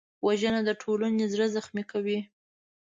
وژنه د ټولنې زړه زخمي کوي